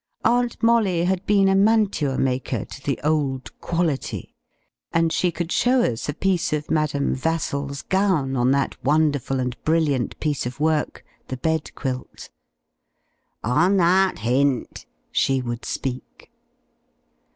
Aunt Molly had been a mantuamaker to the old "quality," and she could show us a piece of Madam Vassall's gown on that wonderful and brilliant piece of work, the bed quilt. "On that hint" she would speak.